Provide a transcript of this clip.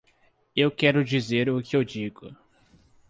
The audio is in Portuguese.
Eu quero dizer o que eu digo.